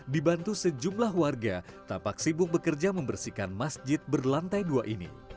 dibantu sejumlah warga tampak sibuk bekerja membersihkan masjid berlantai dua ini